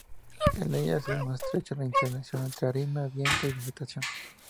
En ellas, se da una estrecha interrelación entre arena, viento y vegetación.